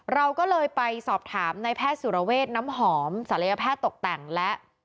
เราก็เลยไปสอบถามในแพทย์สุรเวทน้ำหอมศัลยแพทย์ตกแต่งและ